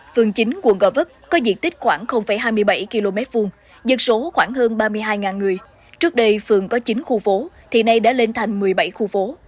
phường chín quận gò vấp có diện tích khoảng hai mươi bảy km hai dân số khoảng hơn ba mươi hai người trước đây phường có chín khu phố thì nay đã lên thành một mươi bảy khu phố